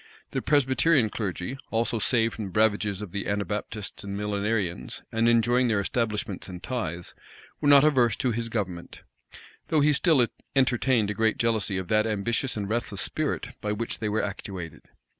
The Presbyterian clergy, also saved from the ravages of the Anabaptists and Millenarians, and enjoying their establishments and tithes, were not averse to his government; though he still entertained a great jealousy of that ambitious and restless spirit by which they were actuated.